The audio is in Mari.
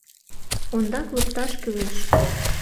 Ондак лукташ кӱлеш.